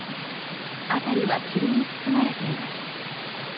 辺りは霧に包まれています。